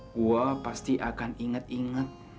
gua pasti akan inget inget